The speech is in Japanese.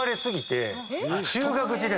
中学時代。